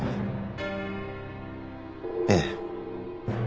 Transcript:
ええ。